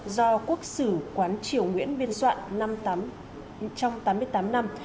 do quốc sử quán triều nguyễn biên soạn năm trong tám mươi tám năm